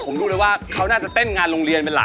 ผมรู้เลยว่าเขาน่าจะเต้นงานโรงเรียนเป็นหลัก